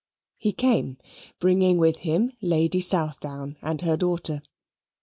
He came, bringing with him Lady Southdown and her daughter.